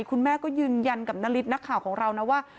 คุณแม่ก็ยืนยันกับนาริสนักข่าวของเรานะว่า